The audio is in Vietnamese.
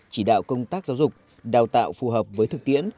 chỉ đạo công tác giáo dục đào tạo phù hợp với thực tiễn